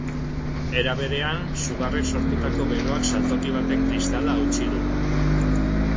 Era berean, sugarrek sortutako beroak saltoki baten kristala hautsi du.